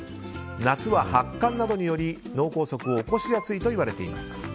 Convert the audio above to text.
夏は発汗などにより脳梗塞を起こしやすいといわれています。